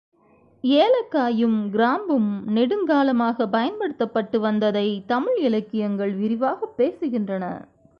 ஏலக்காயும், கிராம்பும் நெடுங் காலமாகப் பயன்படுத்தப்பட்டு வந்ததைத் தமிழ் இலக்கி யங்கள் விரிவாகப் பேசுகின்றன.